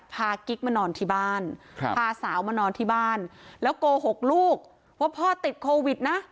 กิ๊กมานอนที่บ้านพาสาวมานอนที่บ้านแล้วโกหกลูกว่าพ่อติดโควิดนะ